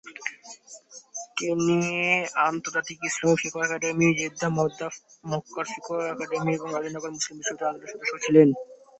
তিনি আন্তর্জাতিক ইসলামিক ফিকহ একাডেমি, জেদ্দা, মক্কার ফিকহ একাডেমি এবং আলীগড় মুসলিম বিশ্ববিদ্যালয়ের আদালতের সদস্যও ছিলেন।